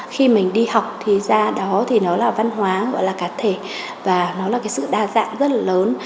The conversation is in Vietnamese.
khi mình đi học thì ra đó thì nó là văn hóa gọi là cá thể và nó là cái sự đa dạng rất là lớn